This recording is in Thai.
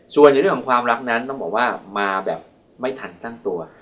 ส่วนในเรื่องของความรักนั้นต้องบอกว่ามาแบบไม่ทันตั้งตัว